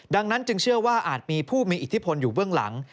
ดังนั้นจึงเชื่อว่าอาจมีผู้มีอิทธิพลอยู่เบื้องหลัง